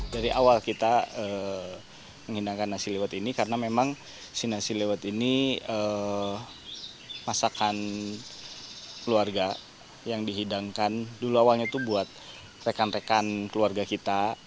dari awal kita menghidangkan nasi liwet ini karena memang si nasi lewat ini masakan keluarga yang dihidangkan dulu awalnya itu buat rekan rekan keluarga kita